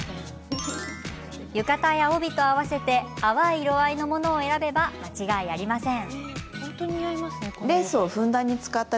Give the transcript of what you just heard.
浴衣や帯と合わせて淡い色合いのものを選べば間違いありません。